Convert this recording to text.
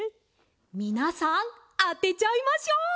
みなさんあてちゃいましょう！